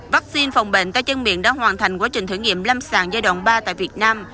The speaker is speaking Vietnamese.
vaccine phòng bệnh tay chân miệng đã hoàn thành quá trình thử nghiệm lâm sàng giai đoạn ba tại việt nam